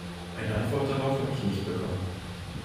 Eine Antwort darauf habe ich nicht bekommen.